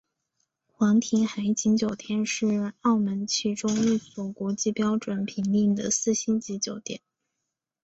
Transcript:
皇庭海景酒店是澳门其中一所国际标准评定的四星级酒店。